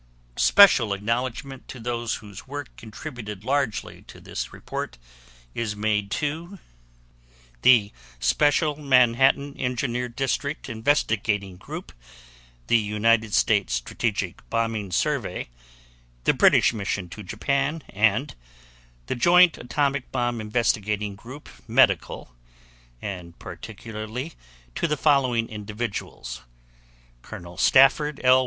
Special acknowledgement to those whose work contributed largely to this report is made to: The Special Manhattan Engineer District Investigating Group, The United States Strategic Bombing Survey, The British Mission to Japan, and The Joint Atomic Bomb Investigating Group (Medical). and particularly to the following individuals: Col. Stafford L.